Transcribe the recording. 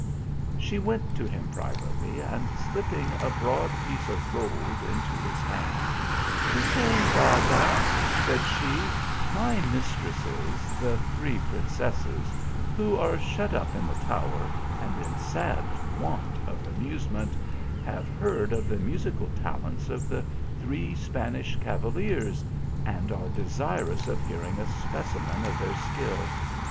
She went to him, privately, and slipping a broad piece of gold into his hand, "Hussein Baba," said she, "my mistresses, the three princesses, who are shut up iit the tower, and in sad want of amusement, have heard of the musical talents of the three Spanish cavaliers, and are desirous of hearing a specimen of their skill.